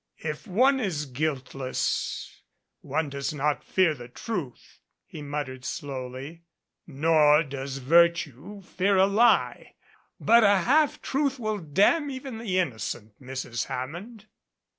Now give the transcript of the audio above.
"If one is guiltless one does not fear the truth," he muttered slowly, "nor does virtue fear a lie but a half truth will damn even the innocent, Mrs. Hammond."